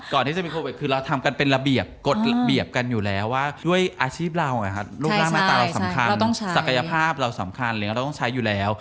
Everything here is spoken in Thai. ก่อนที่จะมีโควิดคือเราทำกันเป็นระเบียบกฎระเบียบกันอยู่แล้วว่าด้วยอาชีพเรารูปร่างหน้าตาเราสำคัญศักยภาพเราสำคัญอะไรอย่างนี้เราต้องใช้อยู่แล้ว